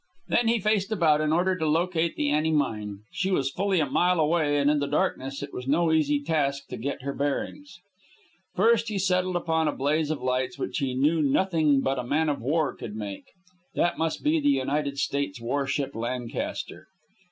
Then he faced about in order to locate the Annie Mine. She was fully a mile away, and in the darkness it was no easy task to get her bearings. First, he settled upon a blaze of lights which he knew nothing but a man of war could make. That must be the United States war ship Lancaster.